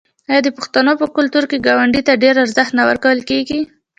آیا د پښتنو په کلتور کې ګاونډي ته ډیر ارزښت نه ورکول کیږي؟